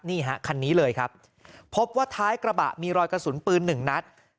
นี่ฮะคันนี้เลยครับพบว่าท้ายกระบะมีรอยกระสุนปืนหนึ่งนัด